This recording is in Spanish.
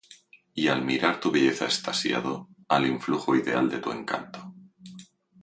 Y al mirar tu belleza extasiado, Al influjo ideal de tu encanto,